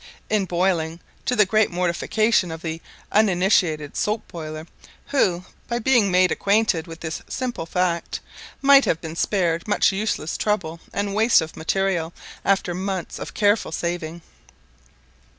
In boiling, to the great mortification of the uninitiated soap boiler, who, by being made acquainted with this simple fact, might have been spared much useless trouble and waste of material, after months of careful saving.